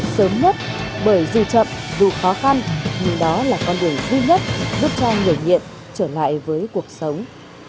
sớm nhất bởi dù chậm dù khó khăn nhưng đó là con đường duy nhất giúp cho người nghiện trở lại với cuộc sống